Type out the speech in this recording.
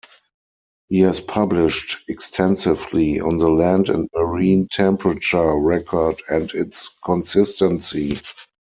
He has published extensively on the land and marine temperature record and its consistency.